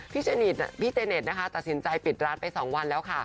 พี่เจเน็ตนะคะตัดสินใจปิดร้านไป๒วันแล้วค่ะ